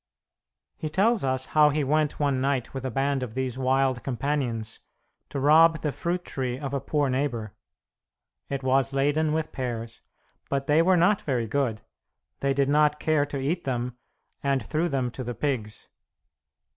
He tells us how he went one night with a band of these wild companions to rob the fruit tree of a poor neighbour. It was laden with pears, but they were not very good; they did not care to eat them, and threw them to the pigs.